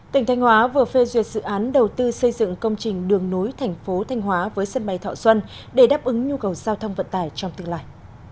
tỉnh thanh hóa vừa phê duyệt dự án đầu tư xây dựng công trình đường nối thành phố thanh hóa với sân bay thọ xuân để đáp ứng nhu cầu giao thông vận tải trong tương lai